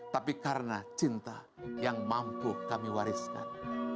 tapi karena cinta yang mampu kami wariskan